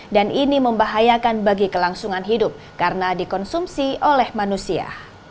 dan ini membahayakan bagi kelangsungan hidup karena dikonsumsi oleh manusia